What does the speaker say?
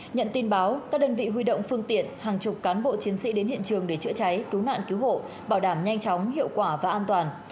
nhận tin báo các đơn vị huy động phương tiện hàng chục cán bộ chiến sĩ đến hiện trường để chữa cháy cứu nạn cứu hộ bảo đảm nhanh chóng hiệu quả và an toàn